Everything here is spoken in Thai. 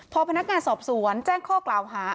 พอพนักงานสอบสวนแจ้งข้อกล่าวหา